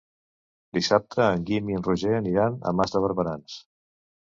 Dissabte en Guim i en Roger aniran a Mas de Barberans.